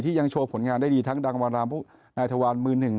ยังโชว์ผลงานได้ดีทั้งดังวารามผู้นายทวารมือหนึ่ง